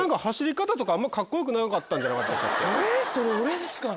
それ俺ですかね？